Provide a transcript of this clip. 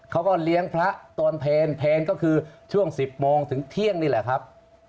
เขาก็เลี้ยงพระตอนเพลงก็คือช่วง๑๐โมงถึงเที่ยงนี่แหละครับ